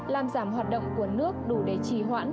làm giảm hoạt động của nước đủ để trì hoãn